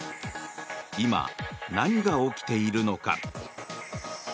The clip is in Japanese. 今、何が起きているのか。